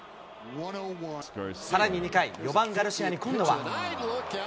さらに２回、４番ガルシアに今度は。